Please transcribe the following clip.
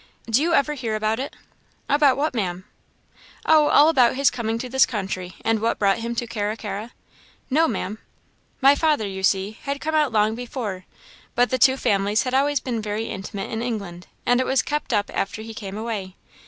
Do you ever hear about it?" "About what, Ma'am?" "Oh, all about his coming to this country, and what brought him to Carra carra?" "No, Ma'am." "My father, you see, had come out long before, but the two families had always been very intimate in England, and it was kept up after he came away.